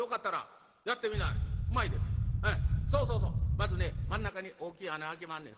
まずね真ん中に大きい穴あけまんねん。